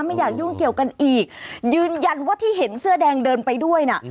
ไม่อยากยุ่งเกี่ยวกันอีกยืนยันว่าที่เห็นเสื้อแดงเดินไปด้วยน่ะ